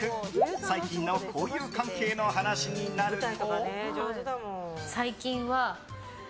最近の交友関係の話になると。